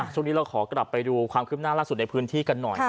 ช่วงนี้เราขอกลับไปดูความคืบหน้าล่าสุดในพื้นที่กันหน่อย